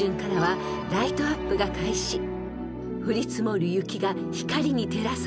［降り積もる雪が光に照らされ